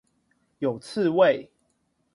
有刺蝟